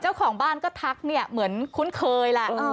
เจ้าของบ้านก็ทักเนี่ยเหมือนคุ้นเคยแหละ